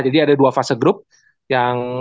jadi ada dua fase grup yang